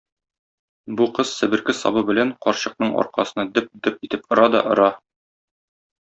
Бу кыз себерке сабы белән карчыкның аркасына дөп-дөп итеп ора да ора.